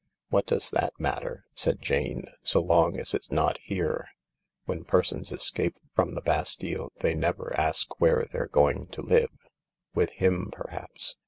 "What does that matter," said Jane, "so long as it's not here ? When persons escape from the Bastille they never ask where they're going to live. With him, perhaps.